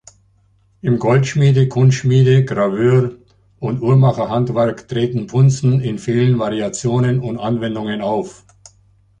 Im Goldschmiede-, Kunstschmiede-, Graveur- und Uhrmacherhandwerk treten Punzen in vielen Variationen und Anwendungen auf.